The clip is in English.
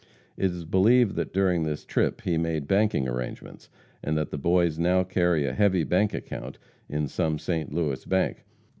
It is believed that during this trip he made banking arrangements, and that the Boys now carry a heavy bank account in some St. Louis bank.